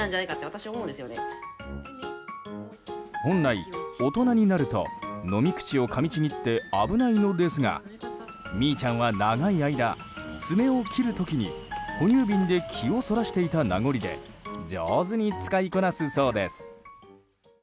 本来、大人になると飲み口をかみちぎって危ないのですがミーちゃんは長い間爪を切る時に哺乳瓶で気をそらしていた名残で上手に使いこなすそうです。